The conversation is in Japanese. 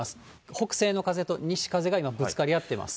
北西の風と西風が今、ぶつかり合っています。